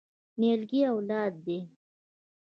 نیالګی اولاد دی؟